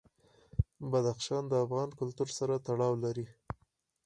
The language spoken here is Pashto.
بدخشان د افغان کلتور سره تړاو لري.